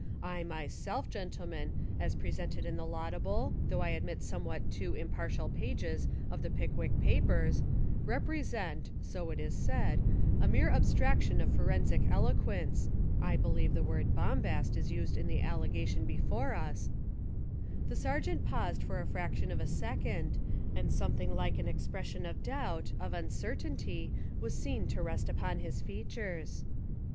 I, myself, gentle men, as presented in the laudable, though I admit somewhat too impartial pages of the Pickwick Papers, represent (so it is said) a mere abstraction of forensic eloquence (I be lieve the word 'bombast' is used In the alle gation before us) " The Sergeant paused for the fraction of a second, and something like an expression of doubt, of uncertainty was seen to rest upon his features.